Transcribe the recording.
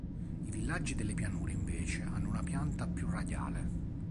I villaggi delle pianure invece hanno una pianta più radiale.